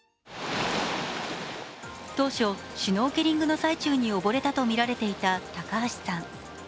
当初、シュノーケリングの最中に溺れたとみられていた高橋さん。